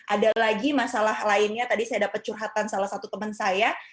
ada lagi masalah lainnya tadi saya dapat curhatan salah satu teman saya